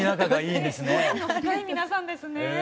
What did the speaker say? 縁の深い皆さんですね。